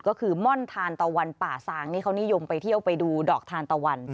ก็คือม่อนทานตะวันป่าซางนี่เขานิยมไปเที่ยวไปดูดอกทานตะวัน